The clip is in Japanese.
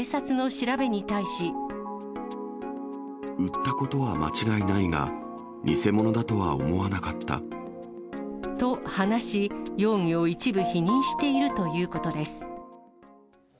売ったことは間違いないが、と話し、容疑を一部否認しているということです。